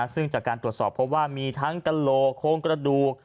ซึ่งจากการตรวจสอบเพราะว่ามีทั้งกระโหลกโครงกระดูก